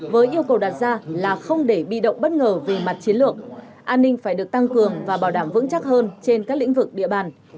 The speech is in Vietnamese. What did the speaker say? với yêu cầu đặt ra là không để bị động bất ngờ về mặt chiến lược an ninh phải được tăng cường và bảo đảm vững chắc hơn trên các lĩnh vực địa bàn